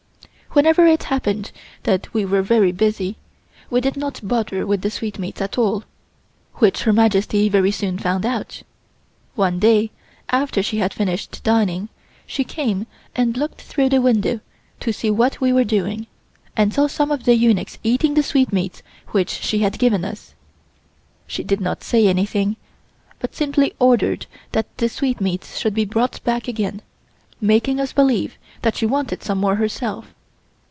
Whenever it happened that we were very busy, we did not bother with the sweetmeats at all, which Her Majesty very soon found out. One day, after she had finished dining, she came and looked through the window to see what we were doing, and saw some of the eunuchs eating the sweetmeats which she had given to us. She did not say anything, but simply ordered that the sweetmeats should be brought back again, making us believe that she wanted some more herself.